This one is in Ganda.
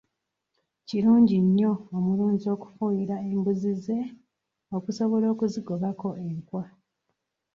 Kirungi nnyo omulunzi okufuuyira embuzi ze okusobola okuzigobako enkwa.